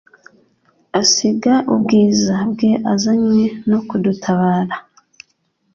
Asiga ubwiza bwe azanywe no kudutabara.